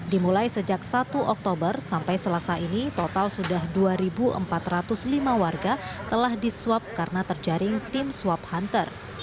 dimulai sejak satu oktober sampai selasa ini total sudah dua empat ratus lima warga telah disuap karena terjaring tim swab hunter